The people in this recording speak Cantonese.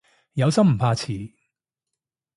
有心唔怕遲